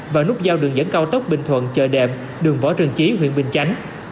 và nút giao đường dẫn cao tốc bình thuận chợ đệm đường võ trần chí huyện bình chánh